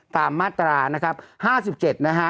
มาตรานะครับ๕๗นะฮะ